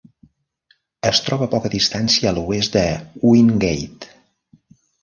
Es troba a poca distància a l'oest de Wingate.